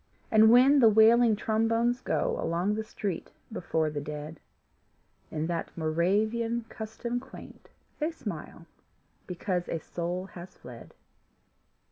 And when the wailing trombones go Along the street before the dead In that Moravian custom quaint, They smile because a soul has fled.